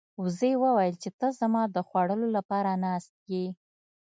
وزې وویل چې ته زما د خوړلو لپاره ناست یې.